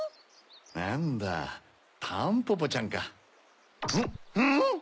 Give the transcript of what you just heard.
なんだタンポポちゃんか。